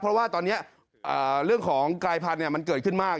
เพราะว่าตอนนี้เรื่องของกายพันธุ์มันเกิดขึ้นมาก